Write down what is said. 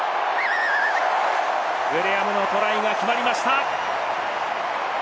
グレアムのトライが決まりました！